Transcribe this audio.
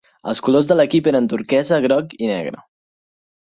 Els colors de l'equip eren turquesa, groc i negre.